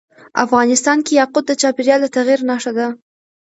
افغانستان کې یاقوت د چاپېریال د تغیر نښه ده.